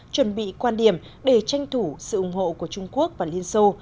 chuẩn bị quan điểm để tranh thủ sự ủng hộ của trung quốc và liên xô